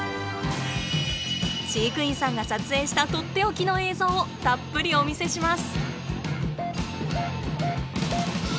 飼育員さんが撮影したとっておきの映像をたっぷりお見せします！